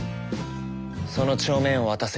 その帳面を渡せ。